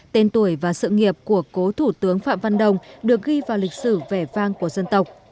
tên tuổi và sự nghiệp của cố thủ tướng phạm văn đồng được ghi vào lịch sử vẻ vang của dân tộc